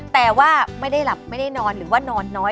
แต่ว่าไม่ได้หลับไม่ได้นอนหรือว่านอนน้อย